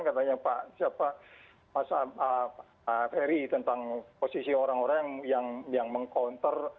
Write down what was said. katanya pak ferry tentang posisi orang orang yang meng counter